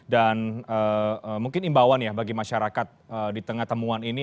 dan mungkin imbauan ya bagi masyarakat di tengah temuan ini